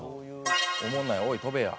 「おもんない」「おいっ飛べや」